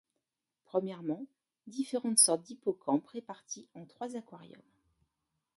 Premièrement, différentes sortes d’hippocampes répartis en trois aquariums.